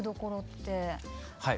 はい。